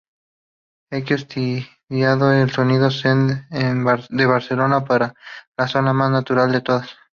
Equinox Tibidabo: El sonido zen de Barcelona para la zona más natural de todas.